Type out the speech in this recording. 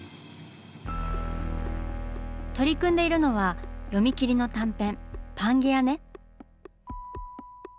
取り組んでいるのは読み切りの短編「パンゲアね」。